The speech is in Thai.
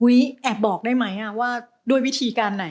แอบบอกได้ไหมว่าด้วยวิธีการไหน